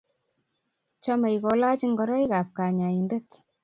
Chamei kolach ngoroik ab kanyaindet